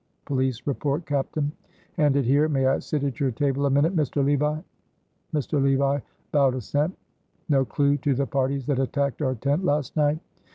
"Police report, captain." "Hand it here. May I sit at your table a minute, Mr. Levi?" Mr. Levi bowed assent. "No clew to the parties that attacked our tent last night?"